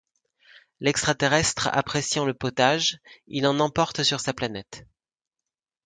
L'extraterrestre appréciant le potage, il en emporte sur sa planète.